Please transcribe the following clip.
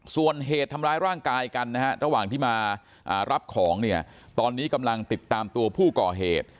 ส่วนเหตุทำร้ายร่างกายกันนะฮะระหว่างที่มารับของเนี่ยตอนนี้กำลังติดตามตัวผู้ก่อเหตุ